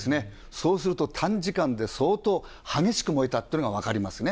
そうすると、短時間で相当激しく燃えたというのが分かりますね。